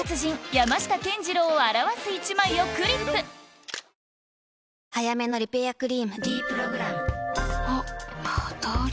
山下健二郎を表す１枚をクリップ早めのリペアクリーム「ｄプログラム」あっ肌あれ？